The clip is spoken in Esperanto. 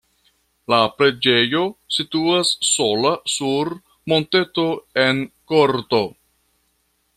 La preĝejo situas sola sur monteto en korto.